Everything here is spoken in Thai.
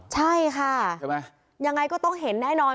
ใช่ค่ะยังไงก็ต้องเห็นแน่นอน